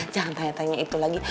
jangan tanya tanya itu lagi